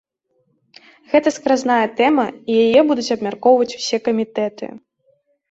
Гэта скразная тэма, і яе будуць абмяркоўваць усе камітэты.